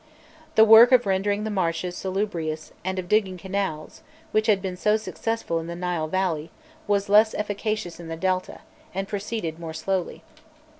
The work of rendering the marshes salubrious and of digging canals, which had been so successful in the Nile Valley, was less efficacious in the Delta, and proceeded more slowly.